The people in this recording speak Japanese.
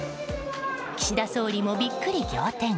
岸田総理も、ビックリ仰天。